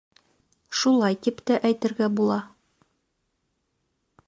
Шулай тип тә әйтергә була.